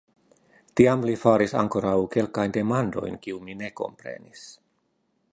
Tiam li faris ankoraŭ kelkajn demandojn, kiujn mi ne komprenis.